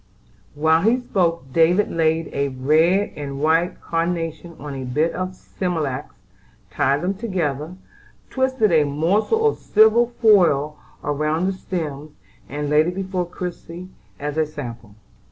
While he spoke David laid a red and white carnation on a bit of smilax, tied them together, twisted a morsel of silver foil about the stems, and laid it before Christie as a sample.